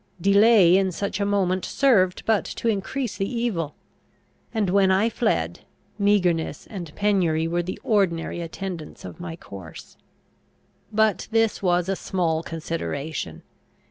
Delay in such a moment served but to increase the evil; and when I fled, meagreness and penury were the ordinary attendants of my course. But this was a small consideration.